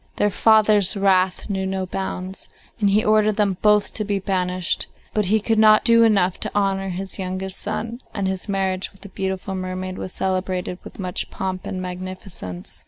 Their father's wrath knew no bounds, and he ordered them both to be banished, but he could not do enough to honour his youngest son, and his marriage with the beautiful mermaid was celebrated with much pomp and magnificence.